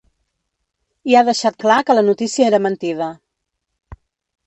I ha deixat clar que la notícia era mentida.